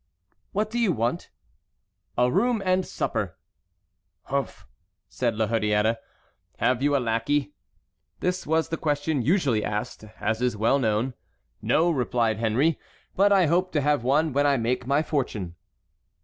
"What do you want?" "A room and supper." "Humph!" said La Hurière, "have you a lackey?" This was the question usually asked, as is well known. "No," replied Henry, "but I hope to have one when I make my fortune."